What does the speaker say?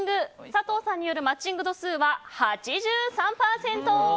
佐藤さんによるマッチング度数は８３％！